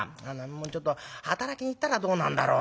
ちょっと働きに行ったらどうなんだろうね。